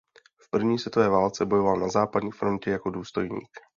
V první světové válce bojoval na západní frontě jako důstojník.